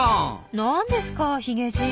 何ですかヒゲじい。